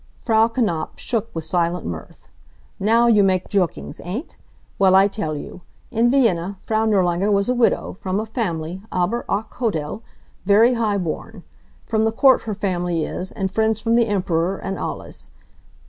Frau Knapf shook with silent mirth. "Now you make jokings, ain't? Well, I tell you. In Vienna, Frau Nirlanger was a widow, from a family aber hoch edel very high born. From the court her family is, and friends from the Emperor, und alles.